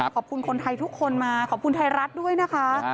ขอบคุณคนไทยทุกคนมาขอบคุณไทยรัฐด้วยนะคะ